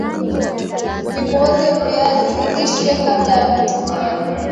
vipooze viazi lishe kabla ya kutumia